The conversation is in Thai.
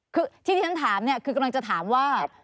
คือที่ที่ฉันถามเนี่ยคือกำลังจะถามว่า